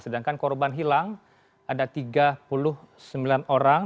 sedangkan korban hilang ada tiga puluh sembilan orang